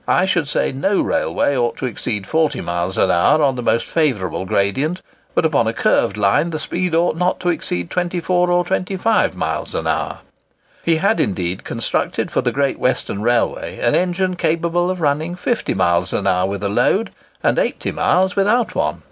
I should say no railway ought to exceed 40 miles an hour on the most favourable gradient; but upon a curved line the speed ought not to exceed 24 or 25 miles an hour." He had, indeed, constructed for the Great Western Railway an engine capable of running 50 miles an hour with a load, and 80 miles without one.